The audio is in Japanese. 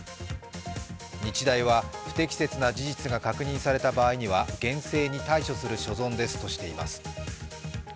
日大は、不適切な事実が確認された場合には厳正に対処する所存ですとしています。